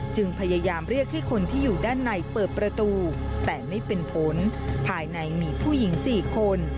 จึงพยายามเรียกให้คนที่อยู่ด้านในเปิดประตูแต่ไม่เป็นผลภายในมีผู้หญิง๔คน